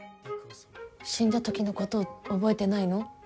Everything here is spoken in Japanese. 死んだ時のこと覚えてないの？